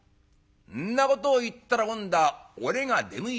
「んなことを言ったら『今度は俺が出向いていく』と。